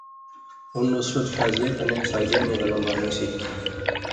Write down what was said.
ہن نصرت شازیہ کنے ساجدے نیاں گلاں بانی سی